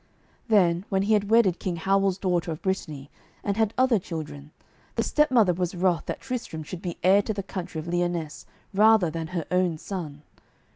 Then, when he wedded King Howell's daughter of Brittany and had other children, the stepmother was wroth that Tristram should be heir to the country of Lyonesse rather than her own son.